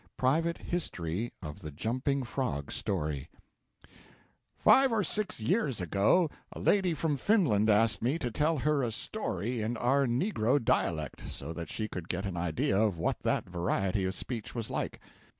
PRIVATE HISTORY OF THE 'JUMPING FROG' STORY Five or six years ago a lady from Finland asked me to tell her a story in our Negro dialect, so that she could get an idea of what that variety of speech was like.